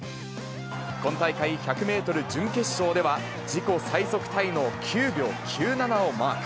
今大会、１００メートル準決勝では、自己最速タイの９秒９７をマーク。